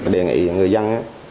để ngại người dân